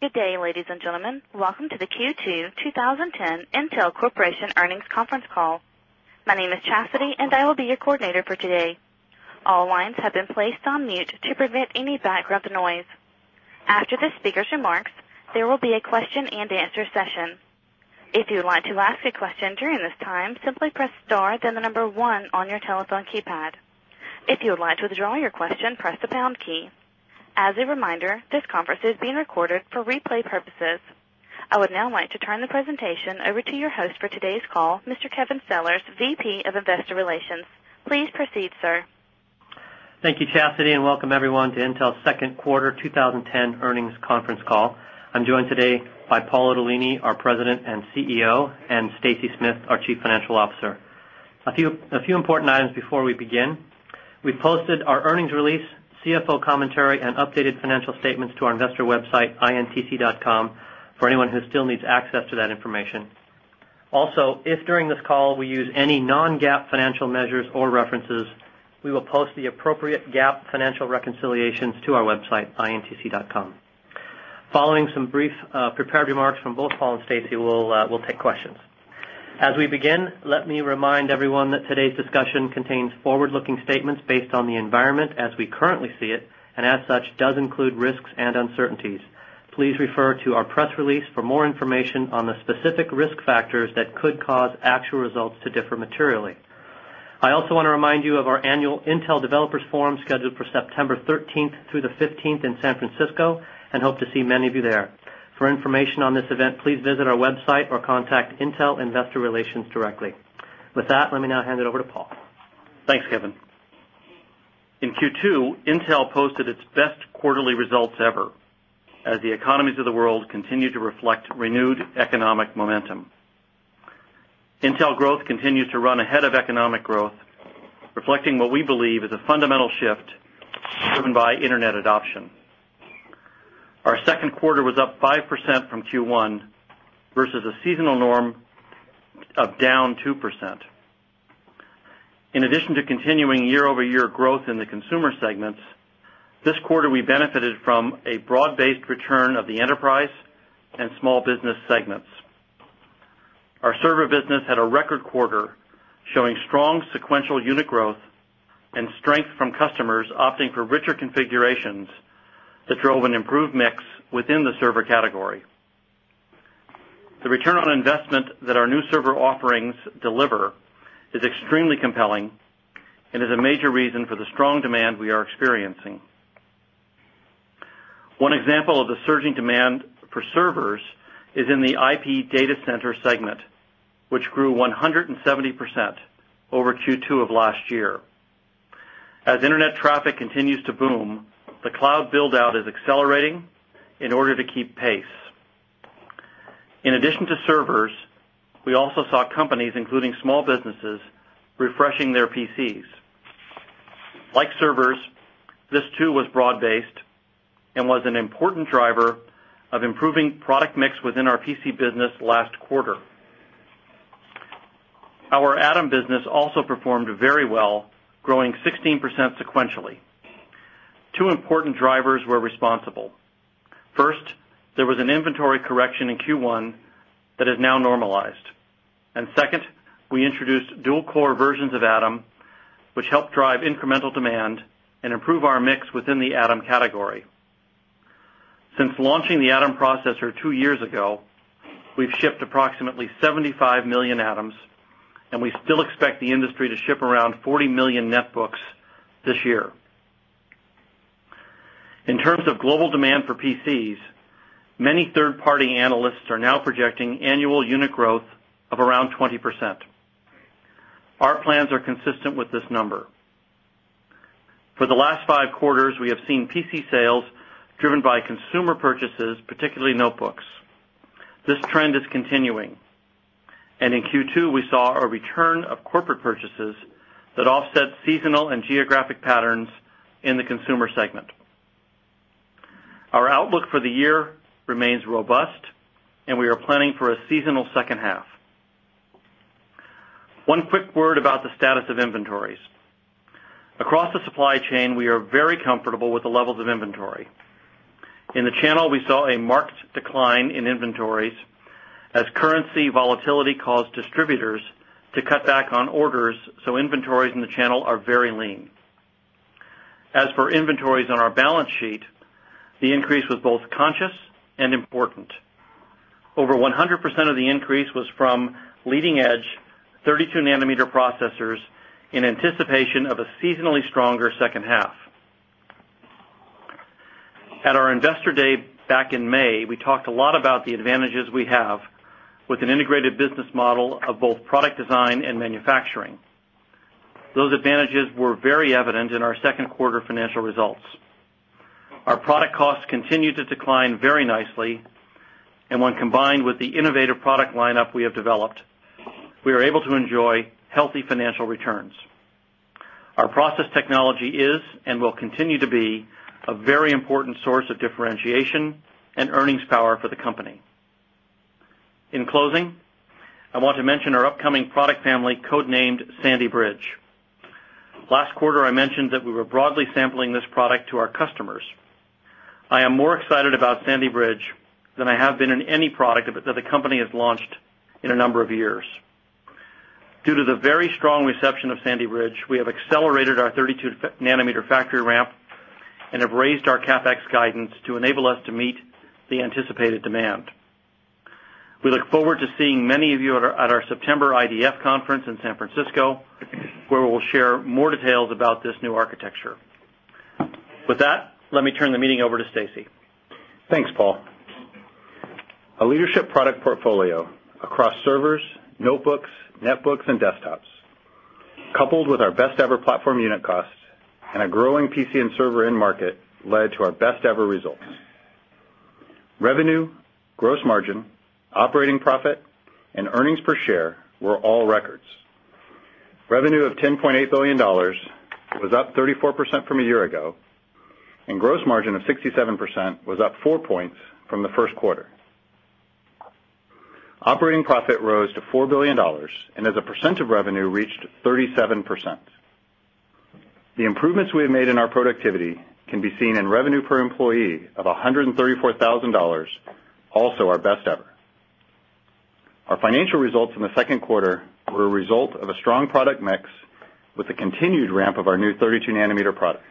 Good day, ladies and gentlemen. Welcome to the Q2 2010 Intel Corporation Earnings Conference Call. My name is Chastity, and I will be your coordinator for today. All lines have been placed on mute to prevent any background noise. After the speakers' remarks, there will be a question and answer session. As a reminder, this conference is being recorded for replay purposes. I would now like to turn the presentation over to your host for today's call, Mr. Kevin Sellars, VP of Investor Relations. Please proceed, sir. Thank you, Chastity, and welcome, everyone, to Intel's Q2 2010 Earnings Conference Call. I'm joined today by Paul Ottolini, our President and CEO and Stacy Smith, our Chief Financial Officer. A few important items before we begin. We posted our earnings release, CFO commentary and updated financial statements to our investor website intc.com for anyone who still needs access to that information. Also, if during this call, we use any non GAAP financial measures or references, we will post the appropriate GAAP Financial reconciliations to our website, intc.com. Following some brief prepared remarks from both Paul and Stacy, we'll take questions. As we begin, let me remind everyone that today's discussion contains forward looking statements based on the environment as we currently see it and as such does include risks and uncertainties. Please refer to our press release for more information on the specific risk factors that could cause actual results to differ materially. I also want to remind you of our annual Intel Developers Forum scheduled for September 13 through 15 in San Francisco and hope to see many of you there. With that, let me now hand it over to Paul. Thanks, Kevin. In Q2, Intel posted its best quarterly results ever as the economies of the world continue to reflect renewed economic momentum. Intel growth continues to run ahead of economic growth, reflecting what we believe is a fundamental shift driven by Internet adoption. Our 2nd quarter was up 5% from Q1 versus a seasonal norm of down 2%. In addition to continuing year over year growth in the consumer segments, this quarter we benefited from a broad based return of the enterprise and Small Business Segments. Our server business had a record quarter showing strong sequential unit growth and strength from customers opting for richer configurations that drove an improved mix within the server category. The return on investment that our new server offerings deliver is extremely compelling and is a major reason for the strong demand we are experiencing. One example of the surging demand for servers is in the IP Data Center segment, which grew 170% over Q2 of last year. As Internet traffic continues to boom, the cloud build out is accelerating in order to keep pace. In addition to servers, We also saw companies, including small businesses, refreshing their PCs. Like servers, this too was broad based and was an important driver of improving product mix within our PC business last quarter. Our Adam business also performed very well, growing 16% sequentially. 2 important drivers were responsible. First, there was an inventory correction in Q1 that is now normalized. And second, we introduced dual core versions of Adam, which helped drive incremental demand and improve our mix within the Adam category. Since launching the Adam processor 2 years ago, We've shipped approximately 75,000,000 atoms and we still expect the industry to ship around 40,000,000 netbooks this year. In terms of global demand for PCs, many third party analysts are now projecting annual unit growth of around 20%. Our plans are consistent with this number. For the last 5 quarters, we have seen PC sales driven by consumer purchases, particularly notebooks. This trend is continuing. And in Q2, we saw a return of corporate purchases that offset seasonal and geographic patterns in the Consumer segment. Our outlook for the year remains robust and we are planning for a seasonal second half. One quick word about the status of inventories. Across the supply chain, we are very comfortable with the levels of inventory. In the channel, we saw a marked decline in inventories As currency volatility caused distributors to cut back on orders, so inventories in the channel are very lean. As for inventories on our balance sheet, the increase was both conscious and important. Over 100% of the increase was from Leading edge 32 nanometer processors in anticipation of a seasonally stronger second half. At our Investor Day back in May, we talked a lot about the advantages we have with an integrated business model of both product design and manufacturing. Those advantages were very evident in our 2nd quarter financial results. Our product costs continued to decline very nicely And when combined with the innovative product lineup we have developed, we are able to enjoy healthy financial returns. Our process technology is and will continue to be a very important source of differentiation and earnings power for the company. In closing, I want to mention our upcoming product family code named Sandy Bridge. Last quarter, I mentioned that we were broadly sampling this product to our customers. I am more excited about Sandy Bridge than I have been in any product that the company has launched in a number of years. Due to the very strong reception of Sandy Ridge, we have accelerated our 32 nanometer factory ramp and have raised our CapEx guidance to enable us to meet the anticipated demand. We look forward to seeing many of you at our September IDF Conference in San Cisco, where we will share more details about this new architecture. With that, let me turn the meeting over to Stacy. Thanks, Paul. Our leadership product portfolio across servers, notebooks, netbooks and desktops, Coupled with our best ever platform unit costs and a growing PC and server end market led to our best ever results. Revenue, Gross margin, operating profit and earnings per share were all records. Revenue of $10,800,000,000 was up 34% from a year ago and gross margin of 67% was up 4 points from the Q1. Operating profit rose to $4,000,000,000 and as a percent of revenue reached 37%. The improvements we have made in our productivity can be seen in revenue per employee of $134,000 also our best ever. Our financial results in the Q2 were a result of a strong product mix with the continued ramp of our new 32 nanometer products.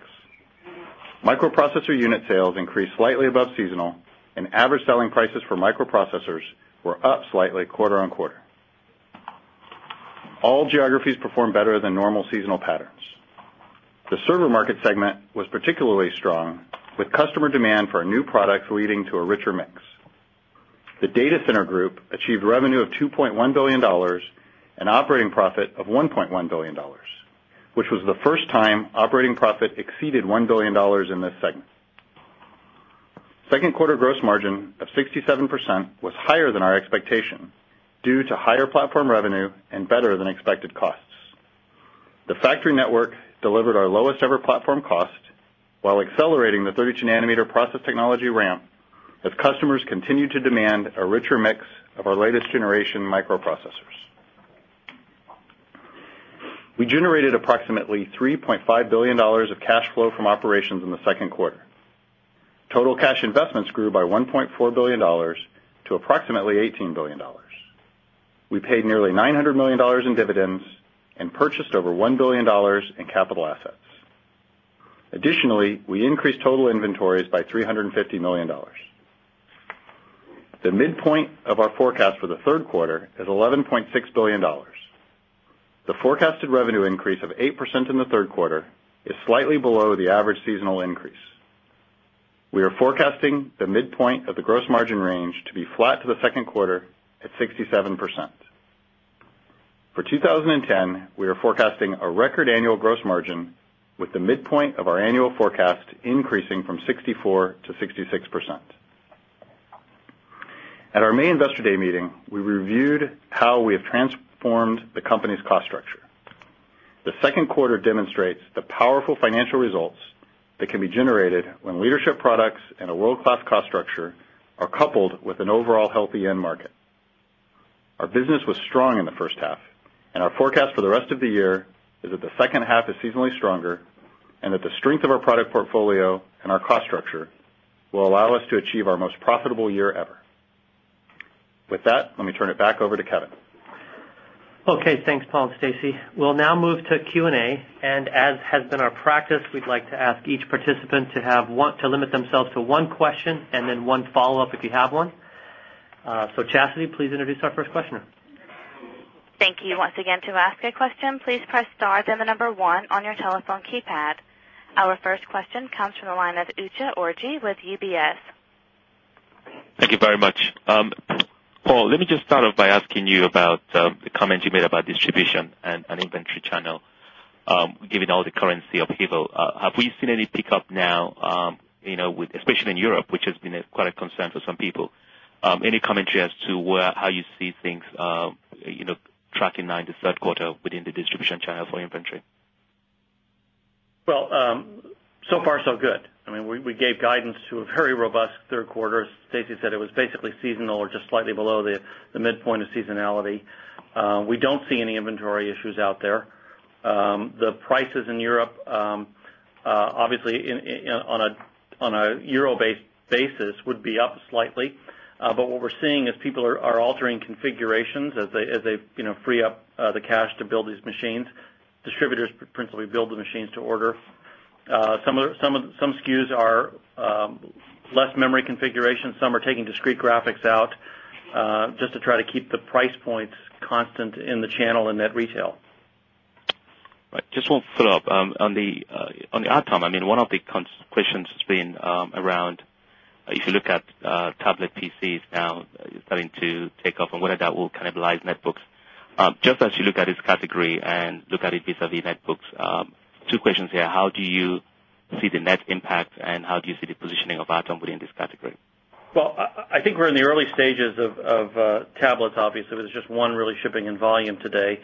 Microprocessor unit sales increased slightly above seasonal and average selling prices for microprocessors were up slightly quarter on quarter. All geographies performed better than normal seasonal patterns. The server market segment was particularly strong with customer demand for our new products leading to a richer mix. The Data Center Group achieved revenue of $2,100,000,000 and operating profit of $1,100,000,000 which was the first time operating profit exceeded $1,000,000,000 in this segment. 2nd quarter gross margin of 67% was higher than our expectation due to higher platform revenue and better than expected costs. The factory network delivered our lowest ever platform cost while accelerating the 32 nanometer process technology ramp as customers continue to demand a richer mix of our latest generation microprocessors. We generated approximately $3,500,000,000 of cash flow from operations in the 2nd quarter. Total cash investments grew by $1,400,000,000 to approximately $18,000,000,000 We paid nearly $900,000,000 in dividends and purchased over $1,000,000,000 in capital assets. Additionally, we increased total inventories by $350,000,000 The midpoint of our forecast for the 3rd quarter is $11,600,000,000 The forecasted revenue increase of 8% in the 3rd quarter is slightly below the average seasonal increase. We are forecasting the midpoint of the gross margin range to be flat to the 2nd quarter at 67%. For 2010, we are forecasting a record annual gross margin with the midpoint of our annual forecast increasing from 64% to 66%. At our May Investor Day meeting, we reviewed how we have transformed the company's cost structure. The 2nd quarter demonstrates the powerful financial results that can be generated when leadership products and a world class cost structure are coupled with an overall healthy end market. Our business was strong in the first half and our forecast for the rest of the year is that the second half is seasonally stronger and that the strength of our product portfolio and our cost structure will allow us to achieve our most profitable year ever. With that, let me turn it back over to Kevin. Okay. Thanks, Paul and Stacy. We'll now move to Q and A. And as has been our So Chastity, please introduce our first questioner. Thank you. Our first question comes from the line of Ucha Orji with UBS. Thank you very much. Paul, let me just start off by asking you about the comments you made about distribution and inventory channel. Given all the currency upheaval, have we seen any pickup now, with especially in Europe, which has been quite a concern for some people? Any commentary as to where how you see things tracking now in the Q3 within the distribution channel for inventory? Well, so far so good. I mean, we gave guidance to a very robust 3rd quarter. As Stacy said, it was basically seasonal or just slightly below The midpoint of seasonality, we don't see any inventory issues out there. The prices in Europe, obviously, On a euro basis, it would be up slightly. But what we're seeing is people are altering configurations as they free up the cash to build these machines. Distributors principally build the machines to order. Some SKUs are less memory configuration, some are taking discrete graphics out Just to try to keep the price points constant in the channel in net retail. Just one follow-up. On the Artem, I mean, one of the Question has been around if you look at tablet PCs now starting to take off and whether that will cannibalize netbooks. Just as you look at this category and look at it vis a vis netbooks, two questions here. How do you see the net impact and how do you see the positioning of Atombody in this category? Well, I think we're in the early stages of tablets, obviously. There's just one really shipping in volume today.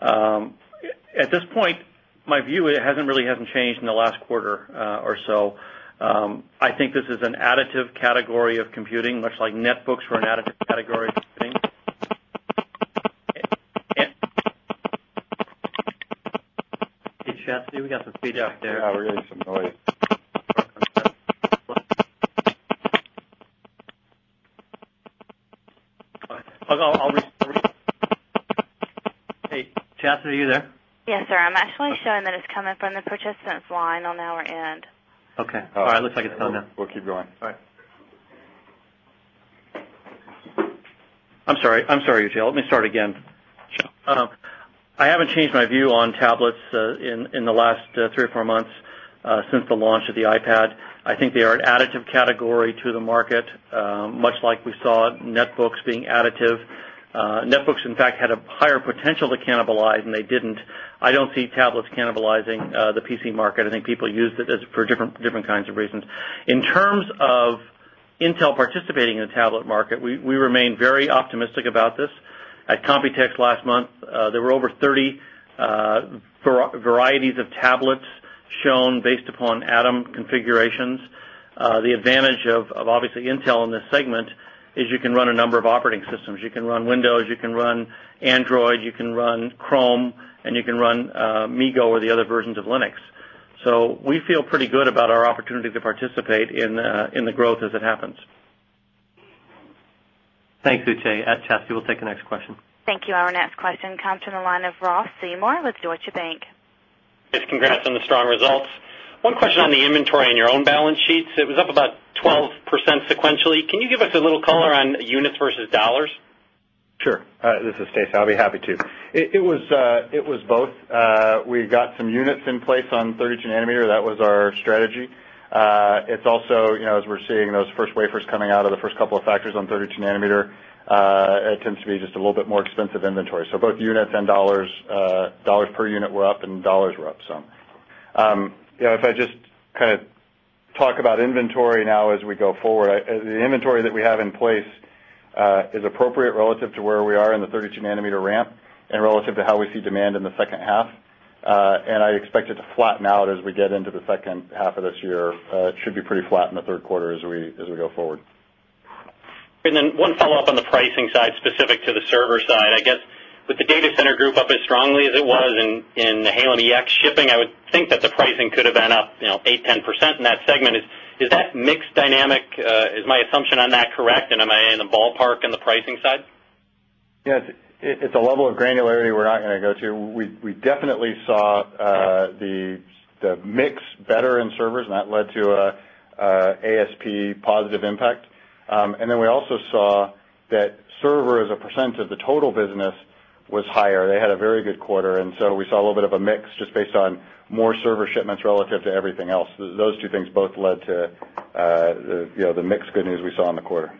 At this point, my view, it hasn't really hasn't changed in the last quarter or so. I think this is an additive category of computing, much like netbooks were an additive Hey, Chastity, are you there? Yes, sir. I'm actually showing that it's coming from the participants line on our end. Okay. All right. It looks like it's done. We'll keep going. I'm sorry, I'm sorry, Uteil. Let me start again. I haven't changed my view on tablets in the last 3 or 4 months Since the launch of the iPad, I think they are an additive category to the market, much like we saw netbooks being additive. Netbooks, in fact, had a higher potential to cannibalize and they didn't. I don't see tablets cannibalizing the PC market. I think people used it for different kinds of reasons. In terms of Intel participating in the tablet market, we remain very optimistic about this. At Computex last month, there were over 30 Varieties of tablets shown based upon Atom configurations. The advantage of obviously Intel in this segment As you can run a number of operating systems, you can run Windows, you can run Android, you can run Chrome and you can run MIGO or the other versions of Linux. So we feel pretty good about our opportunity to participate in the growth as it happens. Thanks, Uche. At Chesky, we'll take the next question. Thank you. Our next question comes from the line of Ross Seymore with Deutsche Bank. Yes, congrats on the strong results. One question on the inventory on your own balance sheets. It was up about 12% sequentially. Can you give us a little color on units versus dollars? Sure. This is Stacy. I'll be happy to. It was both. We got some units in place on 32 nanometer. That was our strategy. It's also as we're seeing those first wafers coming out of the first couple of factors on 32 nanometer, it tends to be just a little bit more expensive inventory. So both units and Dollars per unit were up and dollars were up some. If I just kind of talk about inventory now as we go forward, the inventory that we have in place Is appropriate relative to where we are in the 32 nanometer ramp and relative to how we see demand in the second half. And I expect it Flatten out as we get into the second half of this year. It should be pretty flat in the 3rd quarter as we go forward. And then one follow-up on the pricing side Specific to the server side, I guess with the data center group up as strongly as it was in the Halem EX shipping, I would think that the pricing could have been up 8%, 10% in that segment. Is that mix dynamic? Is my assumption on that correct? And am I in the ballpark in the pricing side? Yes. It's a level of granularity we're not going to go through. We definitely saw the mix better in servers, and We saw the mix better in servers and that led to ASP positive impact. And then we also saw that server as a percent of the total business was higher. They had a very good quarter and so we saw a little bit of a mix just based on More server shipments relative to everything else. Those two things both led to the mix good news we saw in the quarter.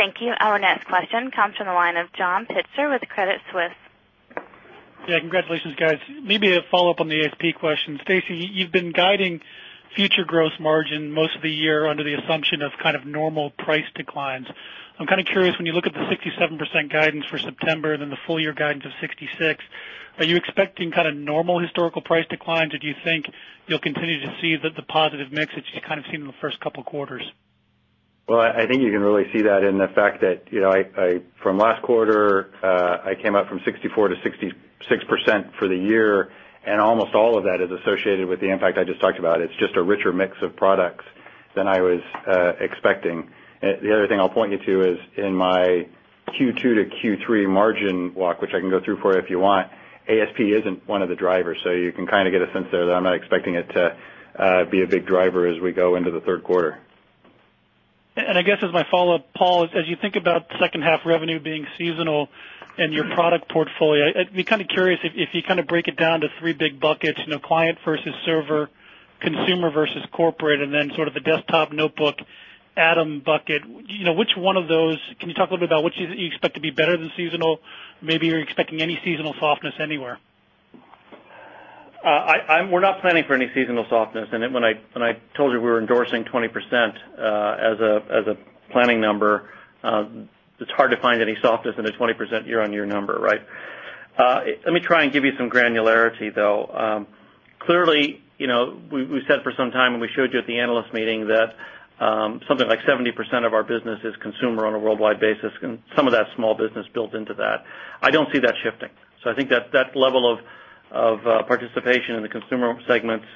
Thank you. Our next question comes from the line of John Pitzer with Credit Suisse. Yes, congratulations guys. Maybe a follow-up on the ASP question. Stacy, you've been guiding Future gross margin most of the year under the assumption of kind of normal price declines. I'm kind of curious when you look at the 67% guidance for September than the full year guidance of Are you expecting kind of normal historical price decline? Did you think you'll continue to see the positive mix that you kind of seen in the 1st couple of quarters? Well, I think you can really see that in the fact that from last quarter, I came up from 64% to 66% for the year Almost all of that is associated with the impact I just talked about. It's just a richer mix of products than I was expecting. The other thing I'll point you to is in my Q2 to Q3 margin walk, which I can go through for you if you want, ASP isn't one of the drivers. So you can kind of get a sense there that I'm not expecting it to It'd be a big driver as we go into the Q3. And I guess as my follow-up, Paul, as you think about second half revenue being seasonal And your product portfolio, I'd be kind of curious if you kind of break it down to 3 big buckets, client versus server, consumer versus corporate and then sort of the desktop notebook Adam, bucket, which one of those can you talk a little bit about what you expect to be better than seasonal? Maybe you're expecting any seasonal softness anywhere? We're not planning for any seasonal softness. And when I told you we were endorsing 20% as a planning number, it's hard to find any softness in a 20% year on year number, right? Let me try and give you some granularity though. Clearly, We said for some time when we showed you at the analyst meeting that something like 70% of our business is consumer on a worldwide basis and some of that small business built into that. I don't see that shifting. So I think that level of participation in the consumer segments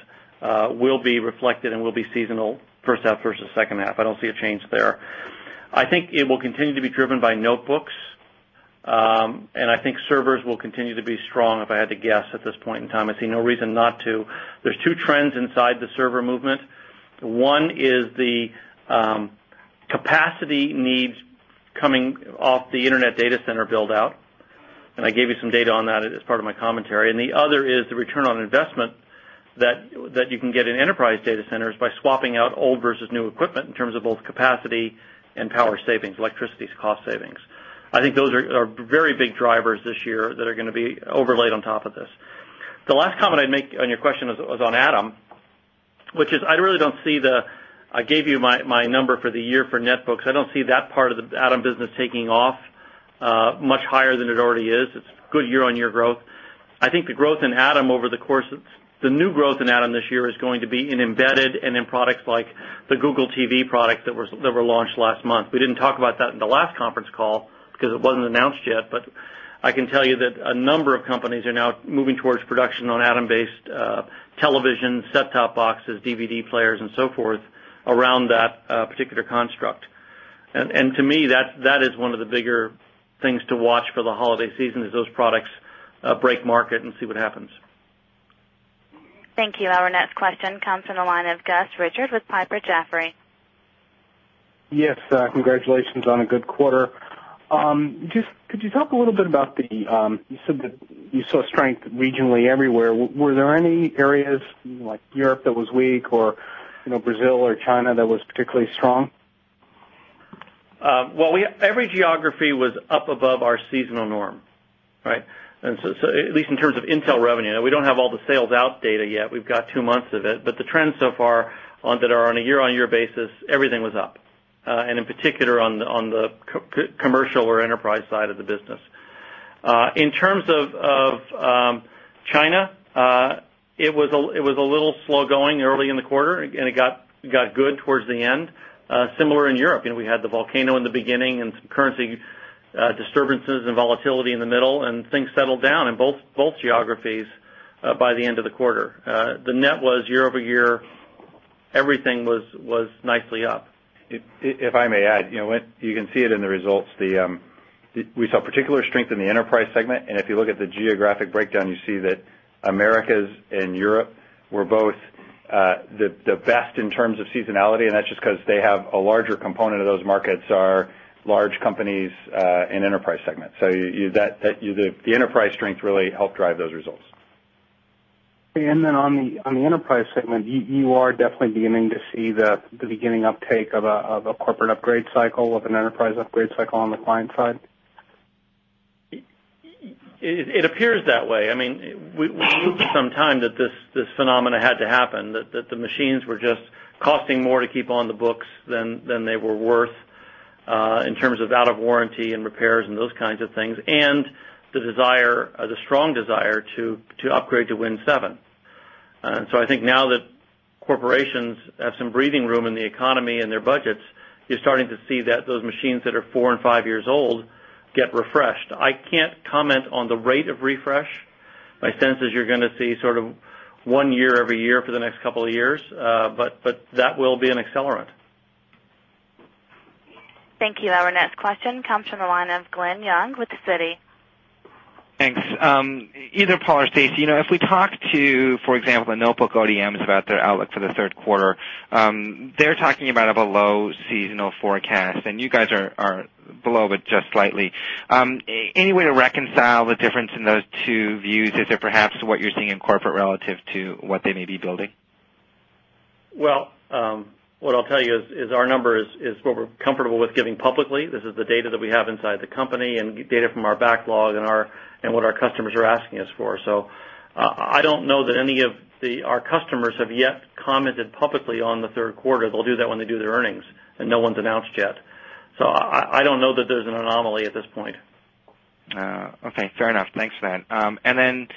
will be reflected and will be seasonal 1st half versus second half, I don't see a change there. I think it will continue to be driven by notebooks, and I think servers will continue to be strong if I had to guess this point in time, I see no reason not to. There's 2 trends inside the server movement. 1 is the Capacity needs coming off the Internet data center build out, and I gave you some data on that as part of my commentary. And the other is the return on investment That you can get in enterprise data centers by swapping out old versus new equipment in terms of both capacity and power savings, electricity cost savings. I think those are very big drivers this year that are going to be overlaid on top of this. The last comment I'd make on your question was on Adam, Which is I really don't see the I gave you my number for the year for netbooks. I don't see that part of the Adam business taking off much higher than it already is. It's Good year on year growth. I think the growth in Adam over the course of the new growth in Adam this year is going to be in embedded and in products like The Google TV products that were launched last month, we didn't talk about that in the last conference call because it wasn't announced yet, but I can tell you that a number of companies are now Moving towards production on atom based television, set top boxes, DVD players and so forth around that particular construct. And to me, that is one of the bigger things to watch for the holiday season as those products break market and see what happens. Thank you. Our next question comes from the line of Gus Richard with Piper Jaffray. Yes, congratulations on a good quarter. Just could you talk a little bit about the you said that you saw strength regionally everywhere. Were there any areas like Europe that was weak or Brazil or China that was particularly strong? Well, every geography was up above our seasonal norm, Right. And so at least in terms of Intel revenue, we don't have all the sales out data yet. We've got 2 months of it. But the trends so far that are on a year on year basis, everything was up. And in particular, on the commercial or enterprise side of the business. In terms of China, It was a little slow going early in the quarter and it got good towards the end, similar in Europe. We had the volcano in the beginning and some currency Disturbances and volatility in the middle and things settled down in both geographies by the end of the quarter. The net was year over year, Everything was nicely up. If I may add, you can see it in the results. We saw particular strength enterprise segment and if you look at the geographic breakdown, you see that Americas and Europe were both The best in terms of seasonality and that's just because they have a larger component of those markets are large companies in enterprise segment. So the enterprise strength really helped drive those results. And then on the enterprise segment, you are definitely beginning to See the beginning uptake of a corporate upgrade cycle, of an enterprise upgrade cycle on the client side? It appears that way. I mean, we've moved some time that this phenomena had to happen, that the machines were just costing more to keep on the books Than they were worth, in terms of out of warranty and repairs and those kinds of things and the desire the strong desire to upgrade to Win 7. So I think now that corporations have some breathing room in the economy and their budgets, you're starting to see that those machines that are 4 5 years old Get refreshed. I can't comment on the rate of refresh. My sense is you're going to see sort of 1 year every year for the next couple of years, But that will be an accelerant. Thank you. Our next question comes from the line of Glenn Young with Citi. Thanks. Either Paul or Stacy, if we talk to, for example, the notebook ODMs about their outlook for the 3rd quarter, They're talking about a below seasonal forecast and you guys are below but just slightly. Any way to reconcile the difference in those Two views is it perhaps what you're seeing in corporate relative to what they may be building? Well, what I'll tell you is our numbers is what we're This is the data that we have inside the company and data from our backlog and what our customers are asking us for. So I don't know that any of the our customers have yet commented publicly on the Q3. They'll do that when they do their earnings and no one's announced yet. So I don't know that there's an anomaly at this point. Okay, fair enough. Thanks for that. And then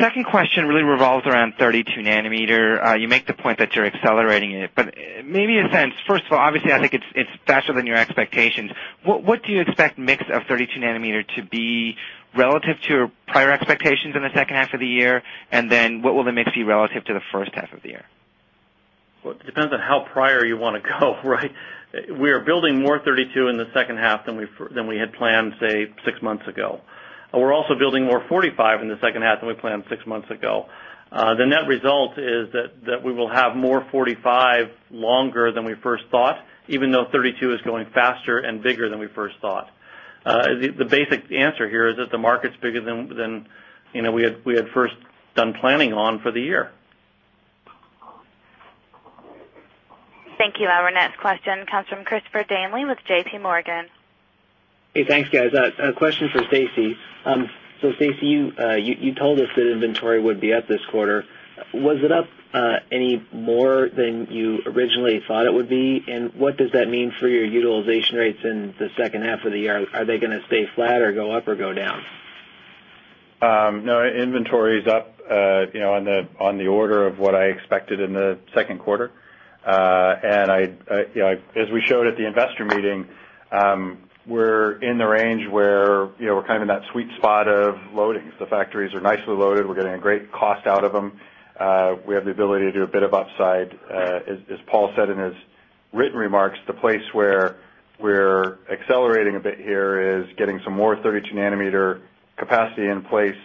second question really revolves around 32 nanometer, you make the point that you're accelerating it, but maybe a sense. First of all, obviously, I think it's faster than your expectations. What do you expect mix of 32 nanometer to be relative to prior expectations in the second half of the year? And then what will the mix be relative to the first half of the year? Well, it depends on how prior you want to go, right? We are building more 32 in the second half than we had planned, say, 6 months ago. We're also building more 45 in the second half than we planned 6 months ago. The net result is that we will have more 45 longer than we first thought, Even though 32 is going faster and bigger than we first thought. The basic answer here is that the market is bigger than we had first Done planning on for the year. Thank you. Our next question comes from Christopher Damley with JPMorgan. Hey, thanks guys. A question for Stacy. So Stacy, you told us that inventory would be up this quarter. Was it up any more than you originally thought it would be? And what does that mean for your utilization rates in the And as we showed at the investor meeting, we're in the range where we're kind of in that We spot a loadings. The factories are nicely loaded. We're getting a great cost out of them. We have the ability to do a bit of upside. As Paul said in his Written remarks, the place where we're accelerating a bit here is getting some more 32 nanometer capacity in place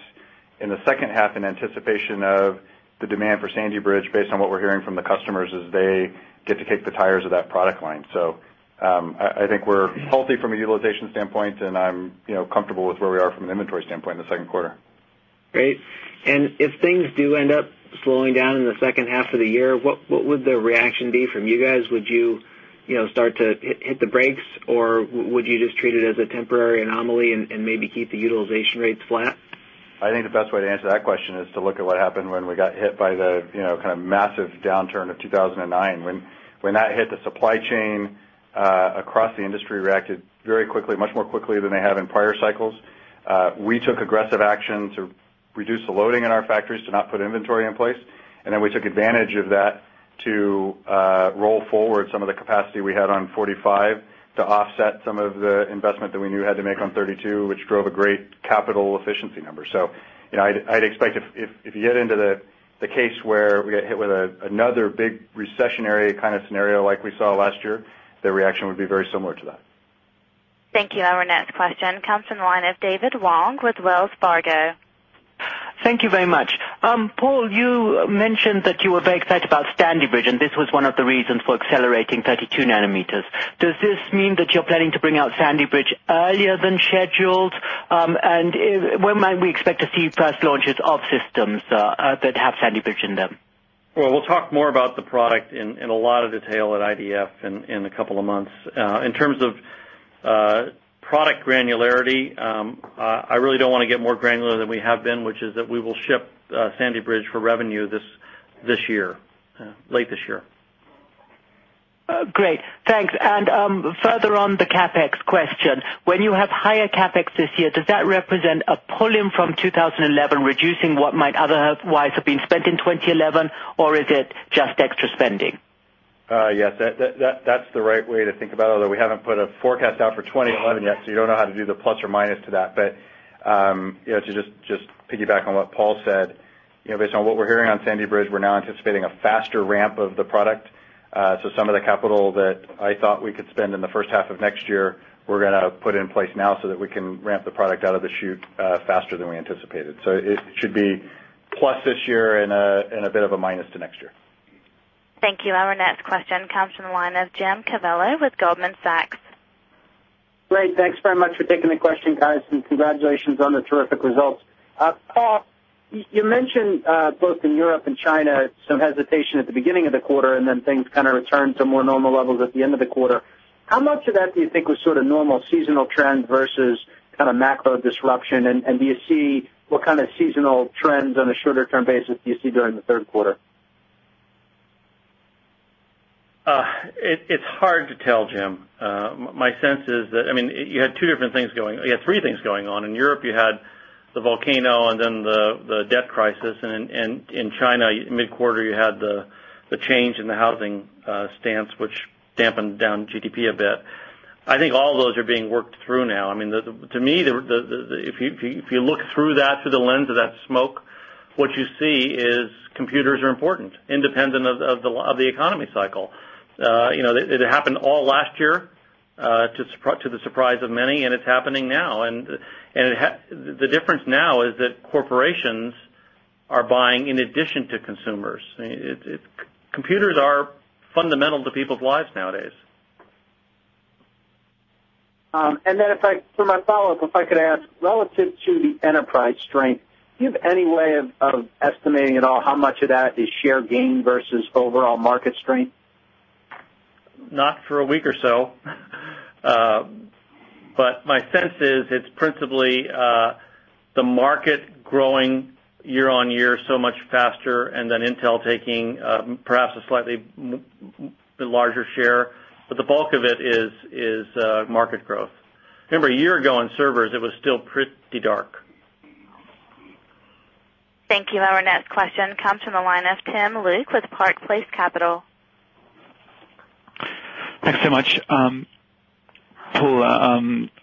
In the second half in anticipation of the demand for Sandy Bridge based on what we're hearing from the customers as they get to kick the tires of that product line. So I think we're healthy from a utilization standpoint and I'm comfortable with where we are from an inventory standpoint in the Q2. Great. And if things do end up Slowing down in the second half of the year, what would the reaction be from you guys? Would you start to hit the brakes? Or would you just treat it as a I think the best way to answer that question is to look at what happened when we got hit by the kind of massive downturn of 2,009. When that hit, the supply chain across the industry reacted very quickly, much more quickly than they have in prior cycles. We took aggressive action to Reduce the loading in our factories to not put inventory in place and then we took advantage of that to roll forward some of the capacity we had on 45 to offset some of the investment that we knew had to make on 32, which drove a great capital efficiency number. So I'd expect if you get into The case where we get hit with another big recessionary kind of scenario like we saw last year, the reaction would be very similar to that. Thank you. Our next question comes from the line of David Wong with Wells Fargo. Thank you very much. Paul, you mentioned that you were very excited about And this was one of the reasons for accelerating 32 nanometers. Does this mean that you're planning to bring out Sandy Bridge earlier than scheduled? And when might we expect to see first launches of systems that have Sandy Bridge in them? Well, we'll talk more about the product in a lot of detail at In terms of product granularity, I really don't want to get more granular than we have been, which is that we will ship Sandy Bridge for revenue this year late this year. Great. Thanks. And further on the CapEx question, When you have higher CapEx this year, does that represent a pull in from 2011 reducing what might otherwise have been spent in 2011 or is it just extra spending? Yes, that's the right way to think about it. Although we haven't put a forecast out for 2011 yet, so you don't know how to do the plus or minus to that. But to just Piggyback on what Paul said, based on what we're hearing on Sandy Bridge, we're now anticipating a faster ramp of the product. So some of the capital that I thought we could spend in the first half of next year, we're going to put in place now so that we can ramp the product out of the chute faster than we anticipated. So it should be Plus this year and a bit of a minus to next year. Thank you. Our next question comes from the line of Jim Cavallo with Goldman Sachs. Great. Thanks very much for taking the question, guys, and congratulations on the terrific results. Paul, you mentioned both in Europe In China, some hesitation at the beginning of the quarter and then things kind of returned to more normal levels at the end of the quarter. How much of that do you think was sort of normal seasonal trend versus Kind of macro disruption and do you see what kind of seasonal trends on a shorter term basis do you see during the Q3? It's hard to tell, Jim. My sense is that, I mean, you had 2 different things going you had 3 things going on. In Europe, you had The volcano and then the debt crisis. And in China, mid quarter, you had the change in the housing stance, which Dampened down GDP a bit. I think all of those are being worked through now. I mean, to me, if you look through that through the lens of that smoke, What you see is computers are important, independent of the economy cycle. It happened all last year, To the surprise of many, and it's happening now. And the difference now is that corporations Are buying in addition to consumers. Computers are fundamental to people's lives nowadays. And then if I for my follow-up, if I could ask relative to the enterprise strength, do you have any way Estimating at all, how much of that is share gain versus overall market strength? Not for a week or so. But my sense is it's principally the market growing year on year so much faster and then Intel taking perhaps a Slightly larger share, but the bulk of it is market growth. Remember a year ago in servers, it was still pretty dark. Thank you. Our next question comes from the line of Tim Luke with Park Place Capital. Thanks so much. Paul,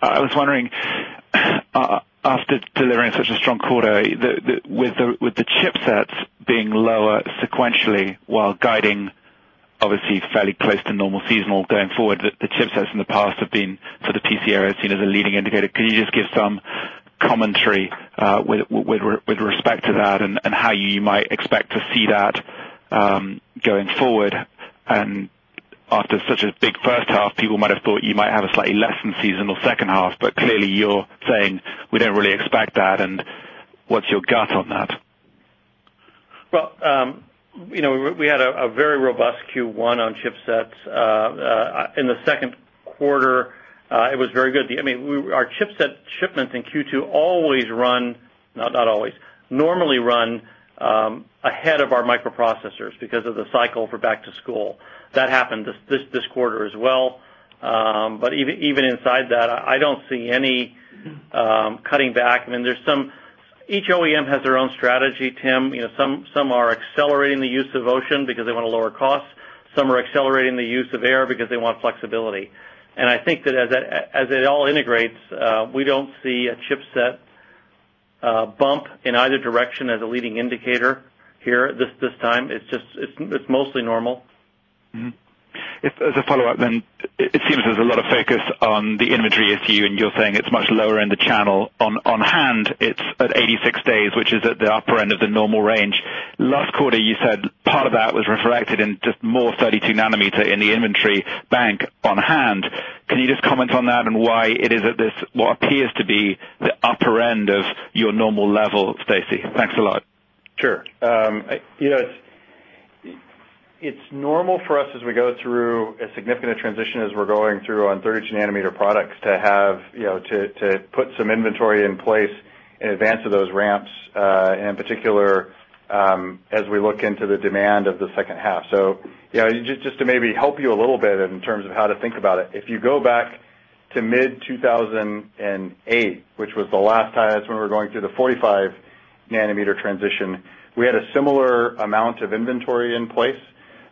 I was wondering, after delivering such a strong quarter, with the chipsets Being lower sequentially while guiding obviously fairly close to normal seasonal going forward. The chipsets in the past have been So the PCA as seen as a leading indicator, can you just give some commentary with respect to that and how you might expect to see that Going forward and after such a big first half, people might have thought you might have a slightly less than seasonal second half, but clearly, you're Saying we don't really expect that and what's your gut on that? Well, we had a very robust Q1 on chipsets. In the Q2, it was very good. I mean, our chipset shipments in Q2 always run No, not always. Normally run, ahead of our microprocessors because of the cycle for back to school. That happened this quarter as well. But even inside that, I don't see any cutting back. I mean, there's some each OEM has their own strategy, Tim. Some are Accelerating the use of ocean because they want to lower costs. Some are accelerating the use of air because they want flexibility. And I think that as it all integrates, We don't see a chipset bump in either direction as a leading indicator here at this time. It's just it's mostly normal. As a follow-up then, it seems there's a lot of focus on the inventory issue and you're saying it's much lower in the channel. On hand, it's at 86 days, which is at the upper end of the normal range. Last quarter, you said part of that was reflected in just more 32 nanometer in the inventory Bank on hand, can you just comment on that and why it is at this what appears to be the upper end of your normal level, Stacy? Thanks a lot. Sure. It's normal for us as we go through a significant transition as we're going through on 32 nanometer products to have to put some inventory in place in advance of those ramps, in particular, as we look into the demand of the second half. So Yes. Just to maybe help you a little bit in terms of how to think about it. If you go back to mid-two 1000 and 8, which was the last time that's when we were going through the 45 Nanometer transition. We had a similar amount of inventory in place.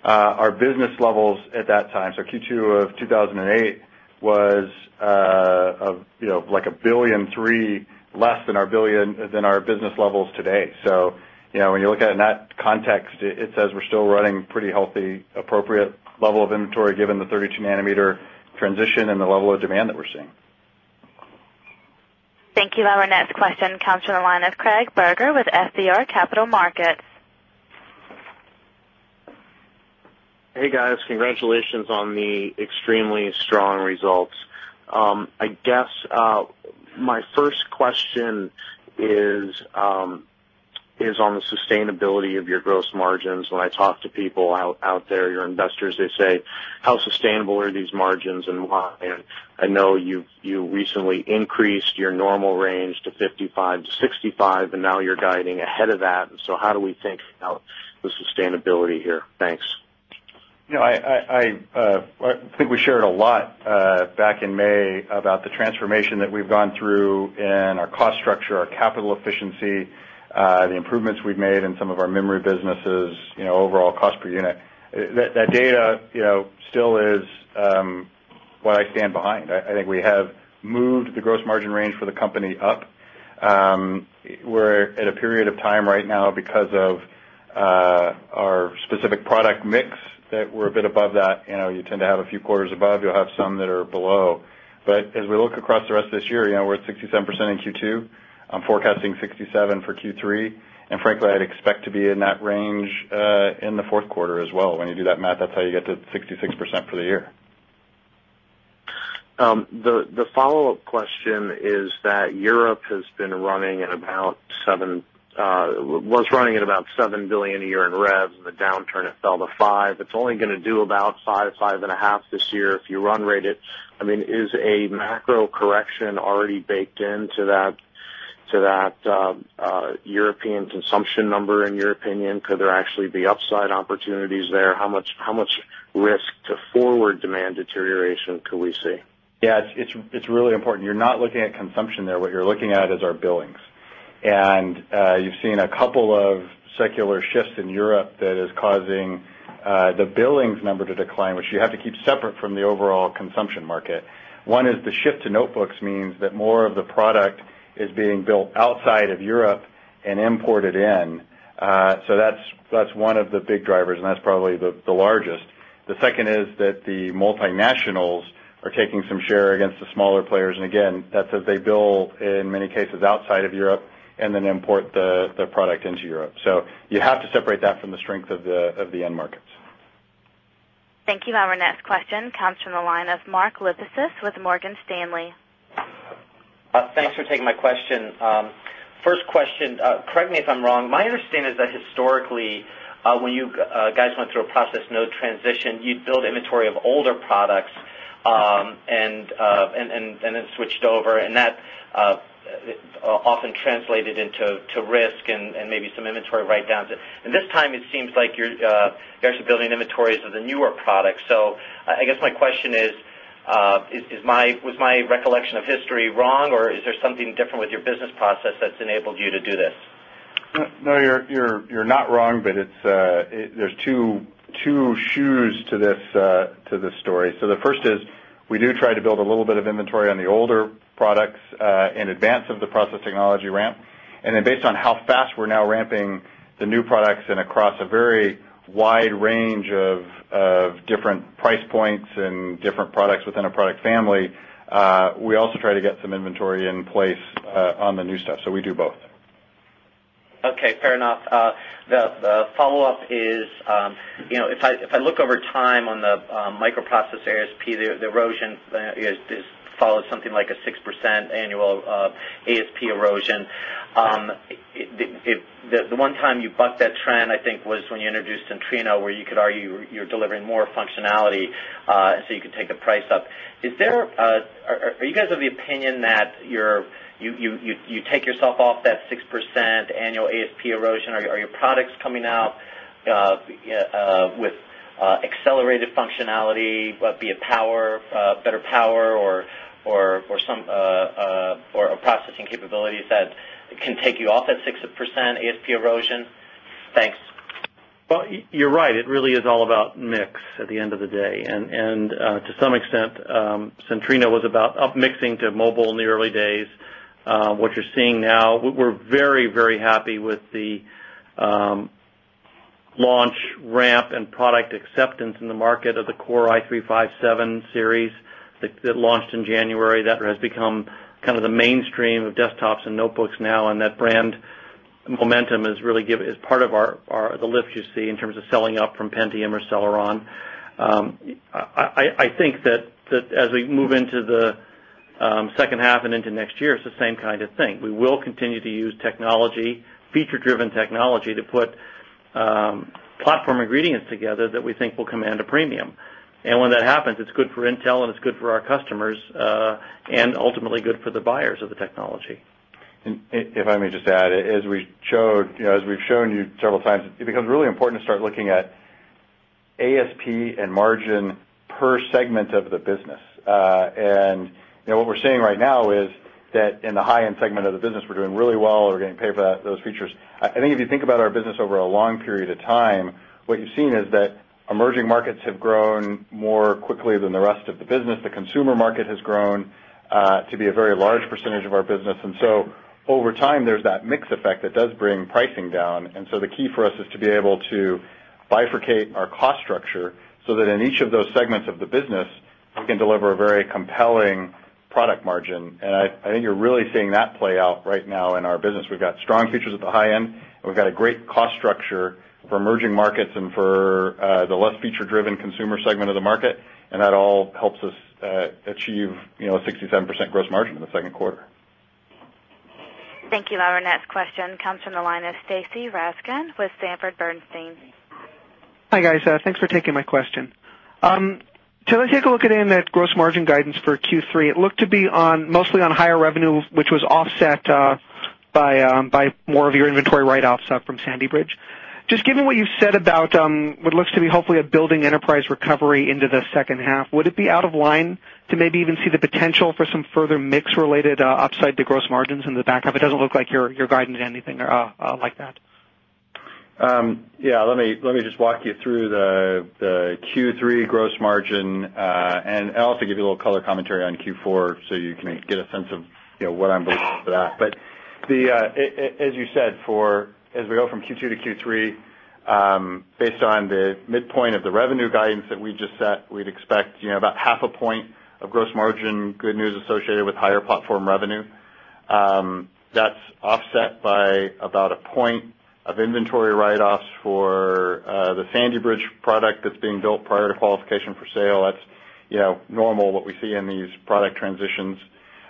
Our business levels at that time, so Q2 of 2,008 was of like $1,300,000,000 less than our business levels today. So when you look at it in that Context, it says we're still running pretty healthy appropriate level of inventory given the 32 nanometer transition and the level of demand that we're seeing. Thank you. Our next question comes from the line of Craig Berger with FBR Capital Markets. Hey, guys. Congratulations on the extremely strong results. I guess, my first question It is on the sustainability of your gross margins. When I talk to people out there, your investors, they say, How sustainable are these margins and why? And I know you recently increased your normal range to 55% to 65%, and now you're guiding ahead of that. So how do we think about the sustainability here? Thanks. I think we shared a lot Back in May about the transformation that we've gone through and our cost structure, our capital efficiency, the improvements we've made in some of our memory businesses, Overall cost per unit. That data still is what I stand behind. I think we have moved the gross margin range for the company up. We're at a period of time right now because of our specific product mix that we're a bit above that. You tend to have a few quarters above. You'll have some that are below. But as we look across the rest of this year, we're at 67% in Q2. I'm forecasting 67% for Q3. And frankly, I'd expect to be in that range in the 4th quarter as well. When you do that, Matt, that's how you get to 66% for the year. The follow-up question is that Europe has been running at about $7,000,000,000 a year in revs and the downturn It's only going to do about 5 to 5.5 this year if you run rate it. I mean is a macro correction already baked in To that European consumption number in your opinion, could there actually be upside opportunities there? How much risk To forward demand deterioration, can we see? Yes, it's really important. You're not looking at consumption there. What you're looking at is our billings. And you've seen a couple of secular shifts in Europe that is causing the billings number to decline, which you have to keep separate The overall consumption market, one is the shift to notebooks means that more of the product is being built outside of Europe and imported in. So that's one of the big drivers and that's probably the largest. The second is that the multinationals We're taking some share against the smaller players and again that's as they build in many cases outside of Europe and then import the product into Europe. So have to separate that from the strength of the end markets. Thank you. Our next question comes from the line of Mark Lipacis with Morgan Stanley. Thanks for taking my question. First question, correct me if I'm wrong. My understanding is that historically, When you guys went through a process node transition, you'd build inventory of older products and then switched over. And that Often translated into risk and maybe some inventory write downs. And this time it seems like you're Building inventories of the newer products. So I guess my question is, is my was my recollection of history wrong? Or is there something different with your business process No, you're not wrong, but it's there's 2 shoes to this story. So the first is We do try to build a little bit of inventory on the older products in advance of the process technology ramp. And then based on how fast we're now ramping The new products and across a very wide range of different price points and different products within a product family, We also try to get some inventory in place on the new stuff, so we do both. Okay, fair enough. The follow-up is, if I look over time on the microprocessor ASP, the erosion is Followed something like a 6% annual ASP erosion. The one time you bucked that trend, I think, was when you introduced where you could argue you're delivering more functionality, so you can take the price up. Is there are you guys of the opinion that You take yourself off that 6% annual ASP erosion. Are your products coming out with Accelerated functionality, be it power, better power or some or processing capabilities that Can take you off at 6% ASP erosion? Thanks. Well, you're right. It really is all about mix at the end of the day. And to some extent, Centrino was about up mixing to mobile in the early days. What you're seeing now, we're very, very happy with the Launch, ramp and product acceptance in the market of the core i357 series that launched in January that has become Kind of the mainstream of desktops and notebooks now and that brand momentum has really given is part of our the lift you see in terms of selling up from Pentium or Celeron. I think that as we move into the second half and into next year, it's the same kind of thing. We will continue to use technology, Feature driven technology to put platform ingredients together that we think will command a premium. And when that happens, it's good for Intel and it's good for our customers And ultimately good for the buyers of the technology. And if I may just add, as we've shown you several times, it becomes really important to start looking at ASP and margin per segment of the business. And what we're seeing right now is that in the high end segment of the business, we're doing really well. We're getting paid for those features. I think if you think about our business over a long period of time, what you've seen is that Emerging markets have grown more quickly than the rest of the business. The consumer market has grown, to be a very large percentage of our business. And so Over time, there's that mix effect that does bring pricing down. And so the key for us is to be able to bifurcate our cost structure So that in each of those segments of the business, we can deliver a very compelling product margin. And I think you're really seeing that play out right now in our business. We've got Strong features at the high end. We've got a great cost structure for emerging markets and for the less feature driven consumer segment of the market, and that all helps us Achieve 67% gross margin in the Q2. Thank you. Our next question comes from the line of Stacy Rasgon with Sanford Bernstein. Hi, guys. Thanks for taking my question. So let's take a look at in that gross margin guidance for Q3. It looked to be on mostly on higher revenue, which was offset By more of your inventory write offs up from Sandy Bridge. Just given what you've said about what looks to be hopefully a building enterprise recovery into the 2nd half. Would it be out of line to maybe even see the potential for some further mix related upside to gross margins in the back half? It doesn't look like your guidance is anything like that. Yes, let me just walk you through the Q3 gross margin and also give you a little color commentary on Q4, so you can get a sense of Yes, what I'm going for that. But as you said for as we go from Q2 to Q3, based on the Midpoint of the revenue guidance that we just set, we'd expect about 0.5 point of gross margin good news associated with higher platform revenue. That's offset by about a point of inventory write offs for the Sandy Bridge product that's being built prior to qualification for sale. That's Yes, normal what we see in these product transitions.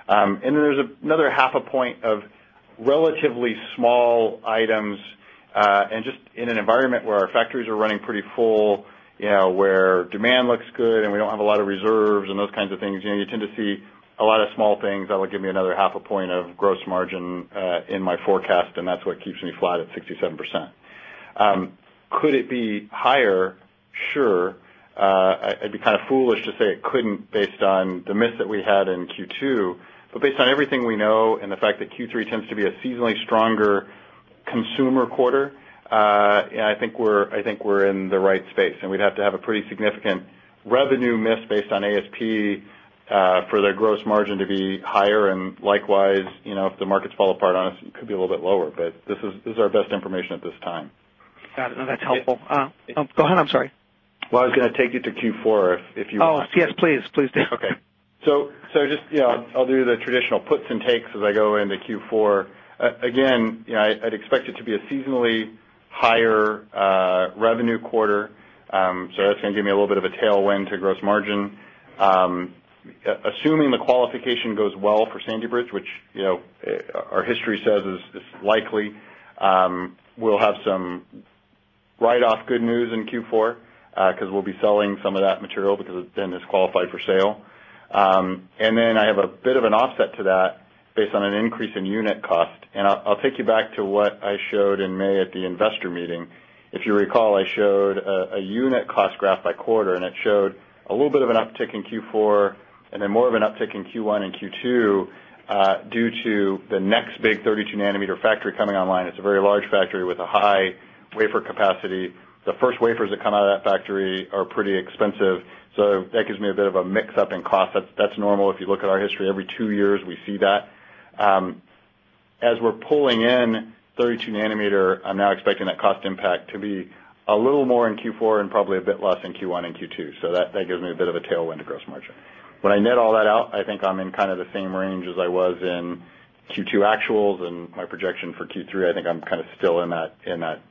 And then there's another half a point of relatively small items And just in an environment where our factories are running pretty full, where demand looks good and we don't have a lot of reserves and those kinds of things, you tend to see A lot of small things. That will give me another 0.5. Of gross margin in my forecast, and that's what keeps me flat at 67%. Could it be higher? Sure. I'd be kind of foolish to say it couldn't based on the miss that we had in Q2. Based on everything we know and the fact that Q3 tends to be a seasonally stronger consumer quarter, I think we're in the right And we'd have to have a pretty significant revenue miss based on ASP, for their gross margin to be higher. And likewise, if the markets fall apart on Could be a little bit lower, but this is our best information at this time. Got it. No, that's helpful. Go ahead, I'm sorry. Well, I was going to take you to Q4, Yes, please. Okay. So just I'll do the traditional puts and takes as I go into Q4. Again, I'd expect it to be a seasonally Higher revenue quarter, so that's going to give me a little bit of a tailwind to gross margin. Assuming the qualification goes well for Sandy Bridge, which our history says is likely, we'll have some Write off good news in Q4, because we'll be selling some of that material because it's been disqualified for sale. And then I have a bit of an offset to that Based on an increase in unit cost, and I'll take you back to what I showed in May at the investor meeting. If you recall, I showed a unit cost graph by quarter, and it showed a little bit of an uptick in Q4 and then more of an uptick in Q1 and Q2 due to the next big 32 nanometer factory coming online. It's a very large factory with a high Wafer capacity, the first wafers that come out of that factory are pretty expensive. So that gives me a bit of a mix up in cost. That's normal. If you look at our history, every 2 years we see that. As we're pulling in 32 nanometer, I'm now expecting that cost impact to be a little more in Q4 and probably a bit less in Q1 and Q2. So that me a bit of a tailwind to gross margin. When I net all that out, I think I'm in kind of the same range as I was in Q2 actuals and my projection for Q3, I think I'm kind of still in that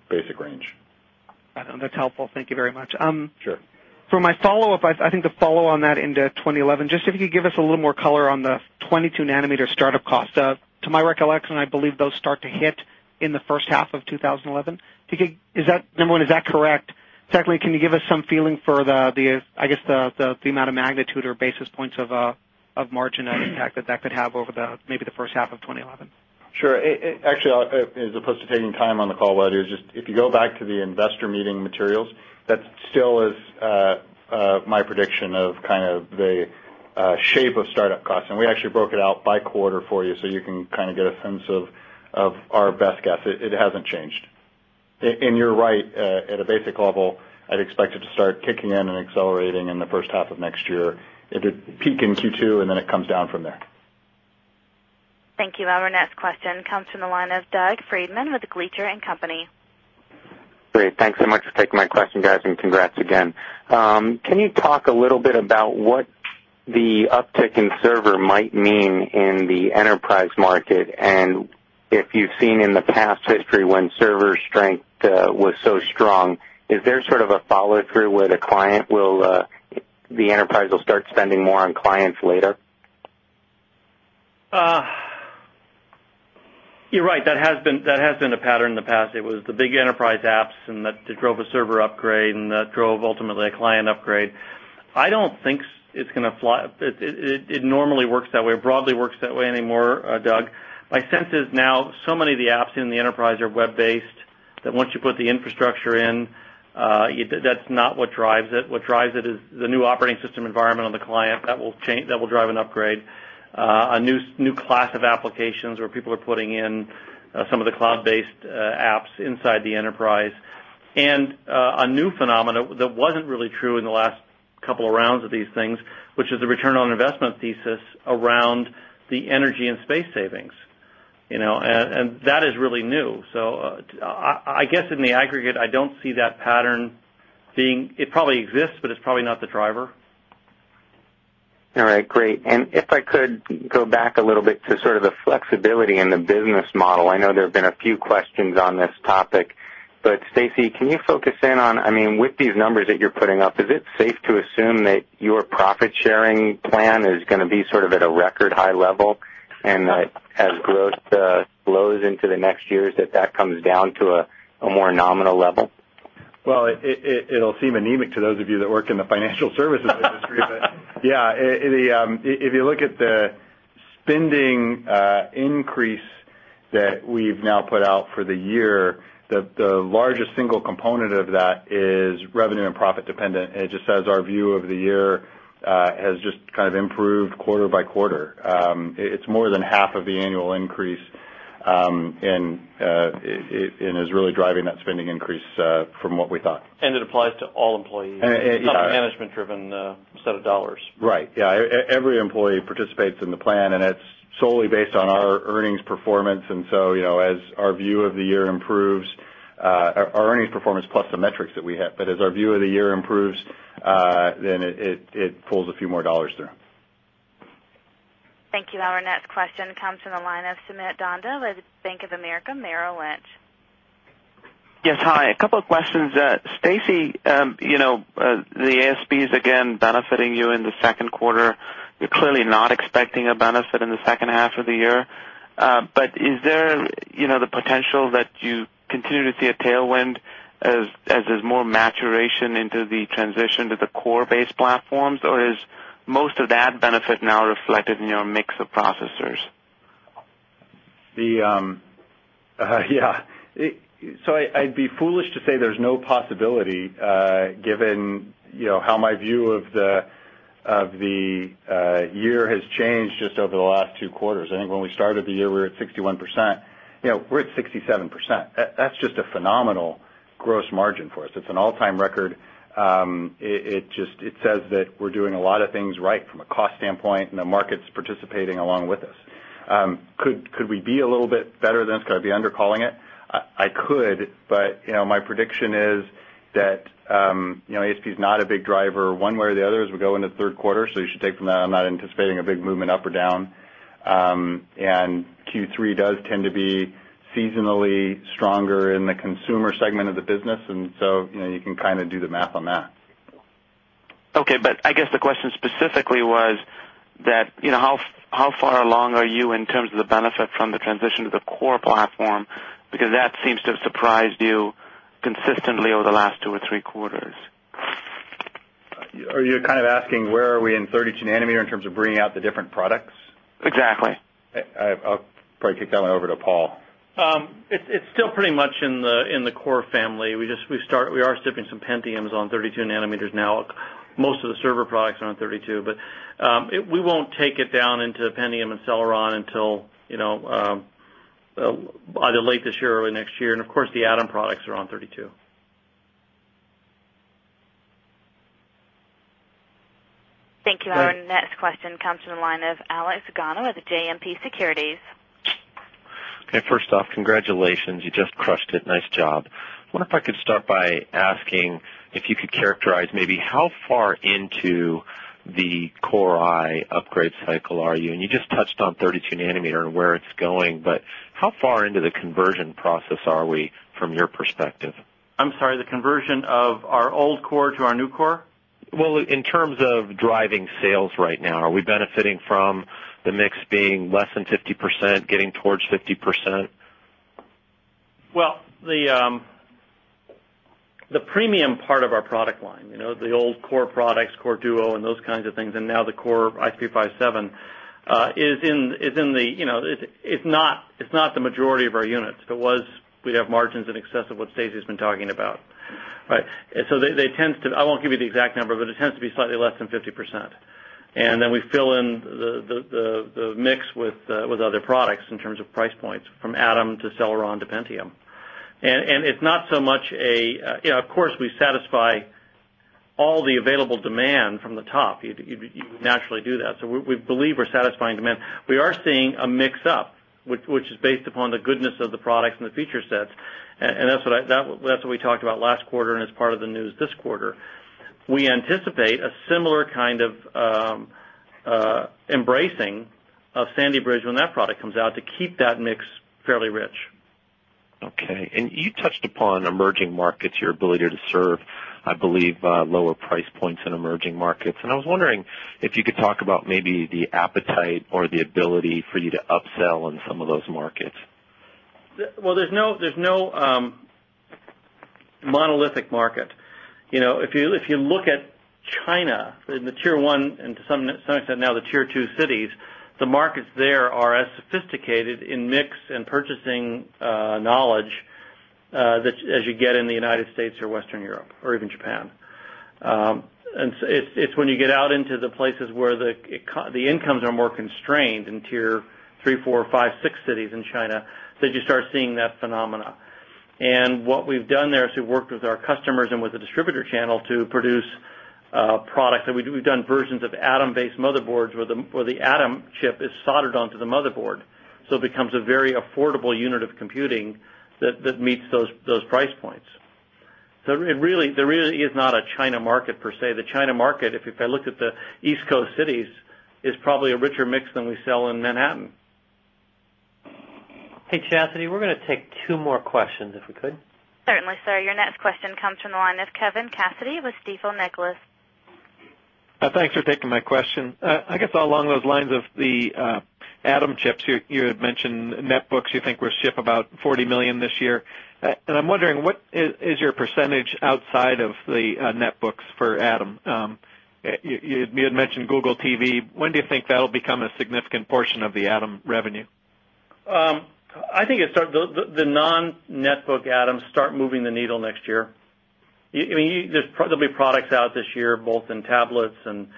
Basic range. That's helpful. Thank you very much. Sure. For my follow-up, I think the follow on that into 2011, just if you could give us a little more color on the 22 nanometer startup costs. To my recollection, I believe those start to hit in the first half of twenty eleven. Number 1, is that correct? Secondly, can you give us some feeling for the I guess the amount of magnitude or basis points of margin impact that, that could have over the maybe the first half of twenty eleven? Sure. Actually, as opposed to taking time on the call, Waddi, just if you go back to the investor meeting materials, that still is My prediction of kind of the shape of start up costs and we actually broke it out by quarter for you so you can kind of get a sense Our best guess, it hasn't changed. And you're right, at a basic level, I'd expect it to start kicking in and accelerating in the first half of next year. It peaked in Q2 and then it comes down from there. Thank you. Our next question comes from the line of Doug Friedman with Gleacher and Company. Great. Thanks so much for taking my question guys and congrats again. Can you talk a little bit about what The uptick in server might mean in the enterprise market. And if you've seen in the past history when server strength was so strong, Is there sort of a follow through where the client will the enterprise will start spending more on clients later? You're right. That has been a pattern in the past. It was the big enterprise apps and that drove a server upgrade and that drove ultimately a client upgrade. I don't think it's going to fly. It normally works that way, broadly works that way anymore, Doug. My sense is now so many of the apps in the enterprise are web based And once you put the infrastructure in, that's not what drives it. What drives it is the new operating system environment on the client that will change that will drive an upgrade, A new class of applications where people are putting in some of the cloud based apps inside the enterprise And a new phenomenon that wasn't really true in the last couple of rounds of these things, which is the return on investment thesis around The energy and space savings, and that is really new. So I guess in the aggregate, I don't see that pattern It probably exists, but it's probably not the driver. All right, great. And if I could go back a little bit to sort of stability in the business model. I know there have been a few questions on this topic. But Stacy, can you focus in on I mean with these numbers that you're putting up, is it safe to assume that Your profit sharing plan is going to be sort of at a record high level and as growth flows into the next years that, that comes down to Well, it will seem anemic to those of you that work in the financial services industry. But yes, if you look at the Spending increase that we've now put out for the year, the largest single component of that is revenue and profit dependent. It just says our view of the year has just kind of improved quarter by quarter. It's more than half of the annual increase And it's really driving that spending increase from what we thought. And it applies to all employees, not a management driven Instead of dollars. Right. Yes, every employee participates in the plan and it's solely based on our earnings performance. And so as our view of the year improves, Our earnings performance plus the metrics that we have, but as our view of the year improves, then it pulls a few more dollars through. Thank you. Our next question comes from the line of Sumit Danda with Bank of America Merrill Lynch. Yes, hi. A couple of questions. AC, the ASP is again benefiting you in the Q2. You're clearly not expecting a benefit in the second half of the year. But is there the potential that you continue to see a tailwind as there's more maturation into the transition to the core based platforms? Or is most of that benefit now reflected in your mix of Or is most of that benefit now reflected in your mix of processors? Yes. So I'd be foolish to say there's no possibility, given how my view The year has changed just over the last two quarters. I think when we started the year, we were at 61%. We're at 67%. That's just a phenomenal Gross margin for us. It's an all time record. It just it says that we're doing a lot of things right from a cost standpoint and the market's participating along with us. Could we be a little bit better than it's going to be under calling it? I could, but my prediction is That, ASP is not a big driver one way or the other as we go into Q3. So you should take from that I'm not anticipating a big movement up or down. And Q3 does tend to be seasonally stronger in the consumer segment of the business. And so you can kind of do the math on that. Okay. But I guess the question specifically was that how far along are you in terms of the benefit from the transition to the core platform Because that seems to have surprised you consistently over the last 2 or 3 quarters. You're kind of asking where are we in 32 nanometer in Bringing out the different products? Exactly. I'll probably kick that one over to Paul. It's still pretty much in the core family. We just we start we are Some Pentiums on 32 nanometers now. Most of the server products are on 32, but we won't take it down into Pentium and Celeron until By the late this year or early next year and of course the Adam products are on 32. Thank you. Our next question comes from the line of Alex Gano with JMP Securities. Okay. First off, congratulations. You just crushed it. Nice job. I wonder if I could start by asking if you could characterize maybe how far into The Core I upgrade cycle are you and you just touched on 32 nanometer and where it's going, but how far into the conversion process are we from your perspective? I'm sorry, the conversion of our old core to our new core? Well, in terms of driving sales right now, are we benefiting from The mix being less than 50% getting towards 50%? Well, The premium part of our product line, the old core products, core Duo and those kinds of things and now the core IP57 It's not the majority of our units. If it was, we'd have margins in excess of what Stacy has been talking about, Right. So they tend to I won't give you the exact number, but it tends to be slightly less than 50%. And then we fill in the mix with other products in terms of price From Adam to Celeron to Pentium. And it's not so much a of course, we satisfy all the available demand from the top. You naturally do that. So we believe we're satisfying demand. We are seeing a mix up, which is based upon the goodness of the products and the feature sets. And that's what we talked about last quarter and as part of the news this quarter. We anticipate a similar kind of embracing Sandy Bridge when that product comes out to keep that mix fairly rich. Okay. And you touched upon emerging markets, your ability to serve, I believe lower price points in emerging markets. And I was wondering if you could talk about maybe the appetite or the ability for you to upsell in some of those markets. Well, there's no monolithic market. If you look at China, the Tier 1 and to some extent now the Tier 2 cities, the markets there are as sophisticated in mix and purchasing knowledge As you get in the United States or Western Europe or even Japan. And it's when you get out into the places where The incomes are more constrained in Tier 3, 4, 5, 6 cities in China. So you start seeing that phenomena. And what we've done there is we've worked with our customers and with the distributor channel to produce products that we do. We've done versions of ADAM based motherboards where the ADAM Chip is soldered onto the motherboard, so it becomes a very affordable unit of computing that meets those price points. So really there really is not a China market per se. The China market, if I look at the East Coast cities, is probably a richer mix than we sell in Manhattan. Hey, Chastity, we're going to take 2 more questions if we could. Certainly, sir. Your next question comes from the line of Kevin Cassidy with Stifel Nicolaus. Thanks for taking my question. I guess along those lines of the Adam chips, you had mentioned net books you think will ship about $40,000,000 this year. And I'm wondering what is your percentage outside of the net books for Adam? You had mentioned Google TV. When do you think that will become a significant portion of the Adam revenue? I think it start the non netbook Adam start moving the needle next year. I mean, there's probably products out this year, both in tablets and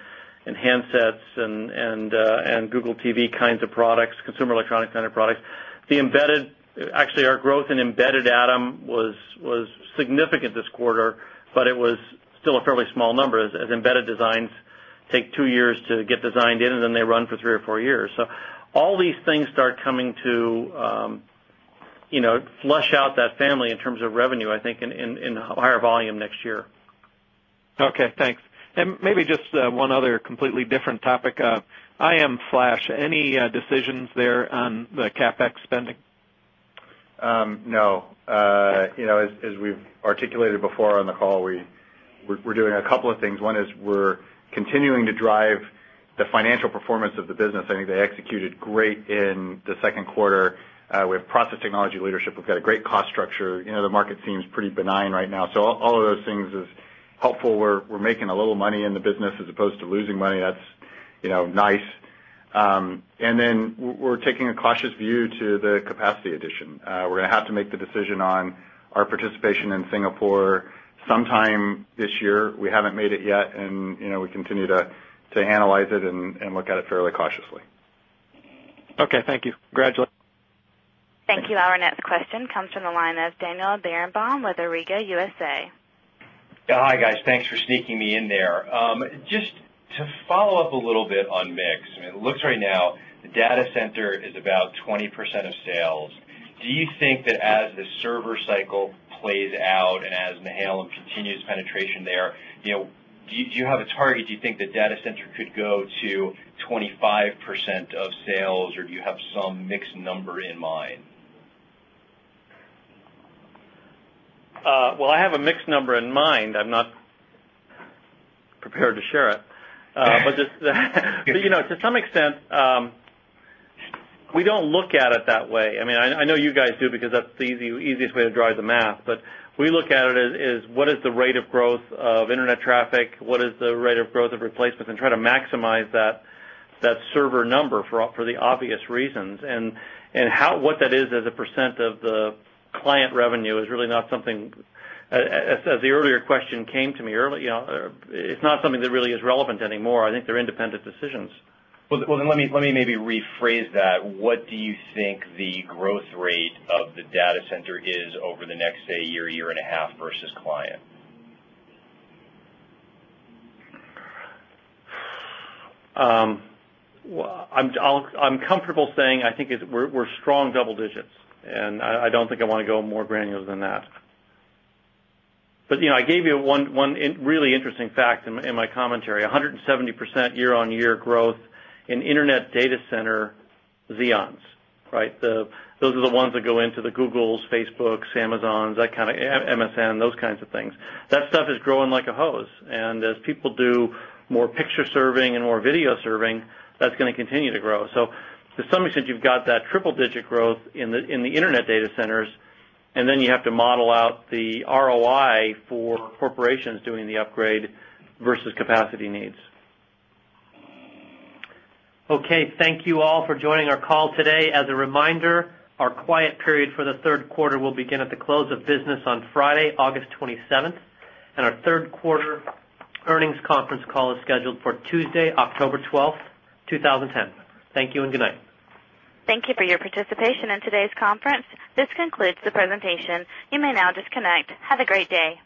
handsets and Google TV kinds of products, consumer electronics kind of products. The embedded actually, our growth in embedded Adam was significant this quarter, but it was still a fairly small number as embedded designs Take 2 years to get designed in and then they run for 3 or 4 years. So all these things start coming Flush out that family in terms of revenue, I think, in higher volume next year. Okay, thanks. And maybe just one other completely different topic. I'm Flash. Any decisions there on the CapEx spending? No. As we've articulated before on the call, We're doing a couple of things. One is we're continuing to drive the financial performance of the business. I think they executed great in the second quarter. We have process technology leadership. We've got a great cost structure. The market seems pretty benign right now. So all of those things is helpful. We're making a little money in the business as opposed to losing money. That's nice. And then we're taking a cautious view to the capacity addition. We're going to have to make the decision on our participation in Singapore sometime this year. We haven't made it yet and we continue To analyze it and look at it fairly cautiously. Okay. Thank you. Congratulations. Thank you. Our next question comes from the line of Daniel Berenbaum with Eureka USA. Hi, guys. Thanks for sneaking me in there. Just to follow-up a little bit on mix, I mean, it looks right now Data center is about 20% of sales. Do you think that as the server cycle plays out and as Mahalem continues penetration there, Do you have a target? Do you think that data center could go to 25% of sales? Or do you have some mixed number in mind? Well, I have a mixed number in mind. I'm not prepared to share it. But just to some extent, we don't look at it that way. I mean, I know you guys do because that's the easiest way to drive the math. But We look at it as what is the rate of growth of Internet traffic, what is the rate of growth of replacements and try to maximize That's server number for the obvious reasons and how what that is as a percent of the client revenue is really not something As the earlier question came to me earlier, it's not something that really is relevant anymore. I think they're independent decisions. Well, let me maybe rephrase that. What do you think the growth rate of the data center is over the next, say, year, year and a half versus client? I'm comfortable saying I think we're strong double digits And I don't think I want to go more granular than that. But I gave you one really interesting fact in my commentary, 170% year on year growth in Internet data center Xeons, right? Those are the ones that go in Googles, Facebooks, Amazons, that kind of MSN, those kinds of things. That stuff is growing like a hose. And as people do more picture serving and more video serving, That's going to continue to grow. So to some extent, you've got that triple digit growth in the Internet data centers and then you have to model out the ROI for Okay. Thank you all for joining our call today. As a reminder, Our quiet period for the Q3 will begin at the close of business on Friday, August 27, and our 3rd quarter Earnings conference call is scheduled for Tuesday, October 12, 2010. Thank you and good night. Thank you for your participation in today's conference. This concludes the presentation. You may now disconnect. Have a great day.